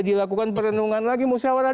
dilakukan perlindungan lagi musyawarah